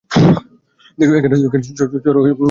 চলো বাইরে গিয়ে কথা বলি।